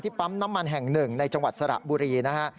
ปั๊มน้ำมันแห่งหนึ่งในจังหวัดสระบุรีนะฮะ